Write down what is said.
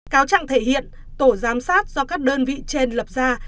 cáo trạng thể hiện tổ giám sát do các đơn vị trên lập ra